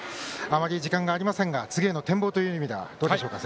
あまり時間がありませんが次への展望はどうでしょうか。